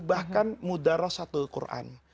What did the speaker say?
bahkan mudara satu quran